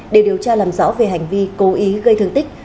để điều tra làm rõ về hành vi cố ý gây thương tích